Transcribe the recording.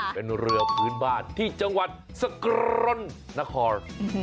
เป็นเรือพื้นบ้านที่จังหวัดสกรณนคร